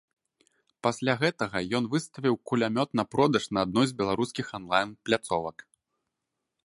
Пасля гэтага ён выставіў кулямёт на продаж на адной з беларускіх анлайн-пляцовак.